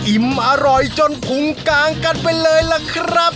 อิ่มอร่อยจนพุงกางกันไปเลยล่ะครับ